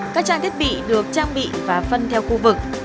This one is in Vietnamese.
các trang thiết bị được trang bị và phân theo khu vực